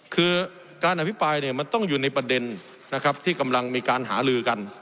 คือการอภิปรายเนี่ยมันต้องอยู่ในประเด็นนะครับที่กำลังมีการหาลือกัน